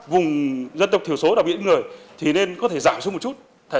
vùng dân tộc thiểu số đặc biệt người thì nên có thể giảm xuống một chút